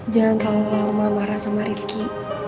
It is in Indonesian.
jangan terlalu lama marah sama rifki